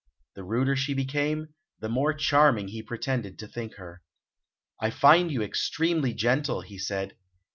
The ruder she became, the more charming he pretended to think her. "I find you extremely gentle," he said.